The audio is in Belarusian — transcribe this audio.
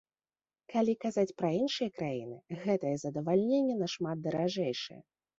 Калі казаць пра іншыя краіны, гэтае задавальненне нашмат даражэйшае.